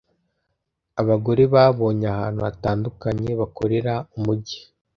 abagore babonye ahantu hatandukanye bakorera umujyi.